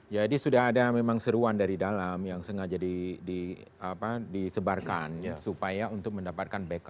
jadi sudah ada memang seruan dari dalam yang sengaja disebarkan supaya untuk mendapatkan backup ya